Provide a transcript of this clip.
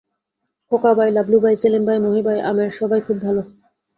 খোকা ভাই, লাভলু ভাই, সেলিম ভাই, মহি ভাই, আমের সবাই খুব ভালো।